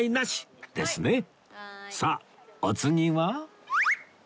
さあお次は？